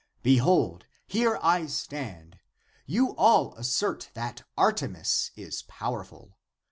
Behold, here I stand. You all assert that Artemis is powerful.